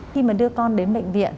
khi mà đưa con đến bệnh viện